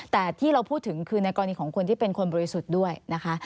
แต่ที่เราพูดถึงคือในกรณีของคนที่เป็นคนบริสุทธิ์ด้วยนะคะ